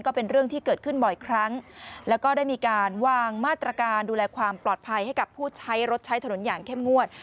ก็เป็นเรื่องที่เกิดขึ้นบ่อยครั้งแล้วก็ได้มีการวางมาตรการดูแลความปลอดภัยให้กับผู้ใช้รถใช้ถนนอย่างเข้มงวด